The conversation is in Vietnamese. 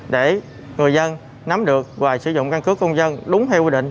để người dân nắm được và sử dụng căn cứ công dân đúng theo quy định